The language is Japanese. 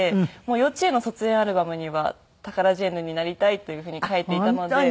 幼稚園の卒園アルバムには「タカラジェンヌになりたい」というふうに書いていたので。